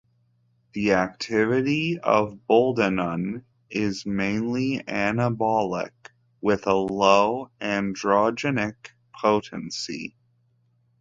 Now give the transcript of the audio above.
The activity of boldenone is mainly anabolic, with a low androgenic potency.